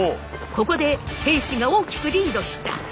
ここで平氏が大きくリードした！